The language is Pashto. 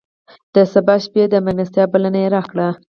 د سبا شپې د مېلمستیا بلنه یې راکړه.